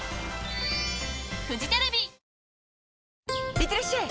いってらっしゃい！